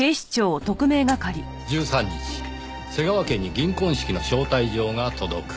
１３日瀬川家に銀婚式の招待状が届く。